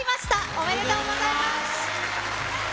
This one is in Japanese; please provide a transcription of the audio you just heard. おめでとうございます。